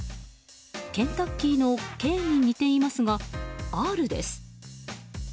ケンタッキーの「Ｋ」に似ていますが「Ｒ」です。